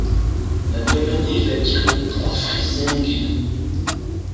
La même année, il acquiert le pour Frisingue.